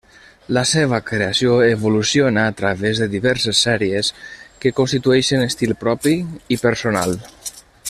La seva creació evoluciona a través de diverses sèries que constitueixen estil propi i personal.